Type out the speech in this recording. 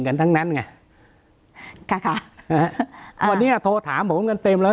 กันทั้งนั้นไงค่ะค่ะวันนี้โทรถามผมกันเต็มแล้ว